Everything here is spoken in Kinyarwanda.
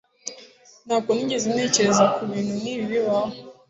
Ntabwo nigeze ntekereza kubintu nkibi bibaho